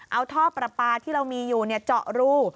เอาท่อประปาที่เรามีอยู่เจาะรู